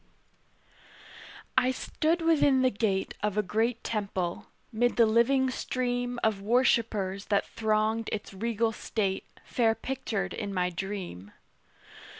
I stood within the gate Of a great temple, 'mid the living stream Of worshipers that thronged its regal state Fair pictured in my dream.